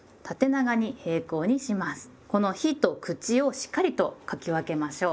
この「日」と「口」をしっかりと書き分けましょう。